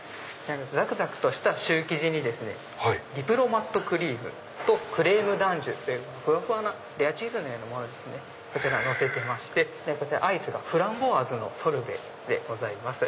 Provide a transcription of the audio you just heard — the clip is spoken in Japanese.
ざくざくとしたシュー生地にディプロマットクリームとクレームダンジュというふわふわなレアチーズのようなものこちらのせてましてアイスがフランボワーズのソルベでございます。